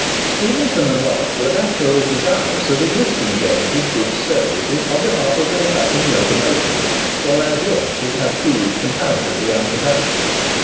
Stephenson and Losh were naturally desirous of enlisting James's good services on behalf of their patent locomotive, for as yet it had proved comparatively unproductive.